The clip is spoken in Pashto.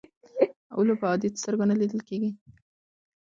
اولو په عادي سترګو نه لیدل کېږي.